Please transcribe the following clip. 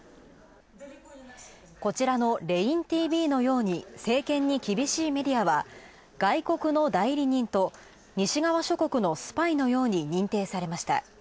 こちらのレインＴＶのように政権に厳しいメディアは、外国の代理人と西側諸国のスパイのように認定されました。